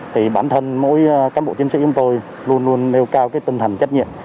thì bản thân mỗi cán bộ chiến sĩ của tôi luôn luôn nêu cao tinh thần trách nhiệm